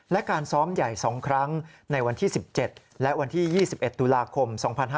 และการซ้อมใหญ่๒ครั้งในวันที่๑๗และวันที่๒๑ตุลาคม๒๕๕๙